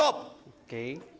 ＯＫ。